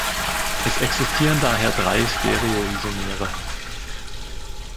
Es existieren daher drei Stereoisomere.